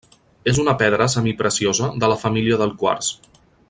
És una pedra semipreciosa de la família del quars.